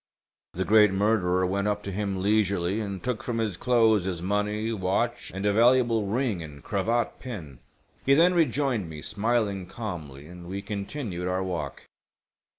The great murderer went up to him leisurely and took from his clothes his money, watch, and a valuable ring and cravat pin. He then rejoined me smiling calmly, and we continued our walk.